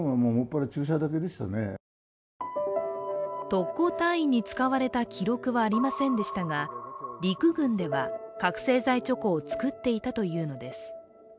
特攻隊員に使われた記録はありませんでしたが、陸軍では覚醒剤チョコを作っていたというのです。